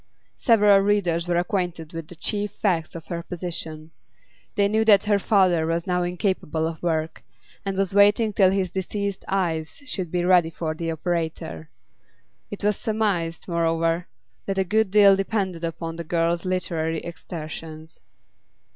Several readers were acquainted with the chief facts of her position; they knew that her father was now incapable of work, and was waiting till his diseased eyes should be ready for the operator; it was surmised, moreover, that a good deal depended upon the girl's literary exertions.